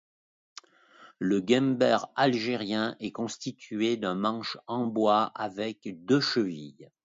Le guember algérien est constitué d'un manche en bois avec deux chevilles.